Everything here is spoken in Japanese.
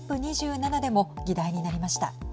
ＣＯＰ２７でも議題になりました。